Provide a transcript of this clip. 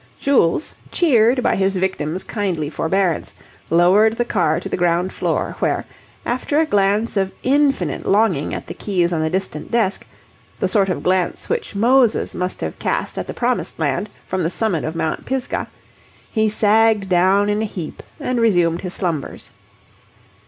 Jules, cheered by his victims' kindly forbearance, lowered the car to the ground floor, where, after a glance of infinite longing at the keys on the distant desk, the sort of glance which Moses must have cast at the Promised Land from the summit of Mount Pisgah, he sagged down in a heap and resumed his slumbers.